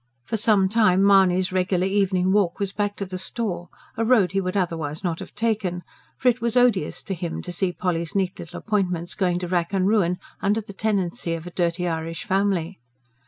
For some time Mahony's regular evening walk was back to the store a road he would otherwise not have taken; for it was odious to him to see Polly's neat little appointments going to rack and ruin, under the tenancy of a dirty Irish family.